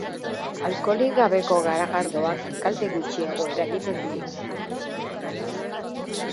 Alkoholik gabeko garagardoak kalte gutxiago eragiten dio.